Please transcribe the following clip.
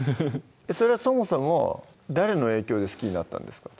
それはそもそも誰の影響で好きになったんですか？